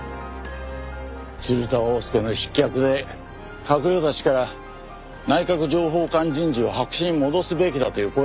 鶴田翁助の失脚で閣僚たちから内閣情報官人事を白紙に戻すべきだという声が上がったのをね